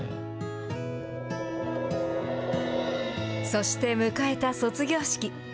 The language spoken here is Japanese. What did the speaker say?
そして迎えた卒業式。